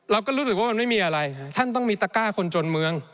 เราก็รู้สึกว่ามันไม่มีอะไรท่านต้องมีตะก้าคนจนเมือง